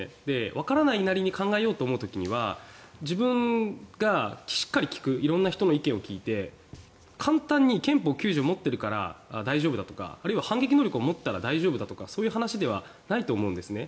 わからないなりに考えようと思う時には自分が、しっかり聞く色んな人の意見を聞いて簡単に憲法９条持ってるから大丈夫だとかあるいは反撃能力を持ったら大丈夫だとかそういう話ではないと思うんですね。